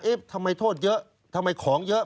ทำไมโทษเยอะทำไมของเยอะ